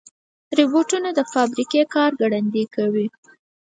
روبوټونه د فابریکې کار ګړندي کوي.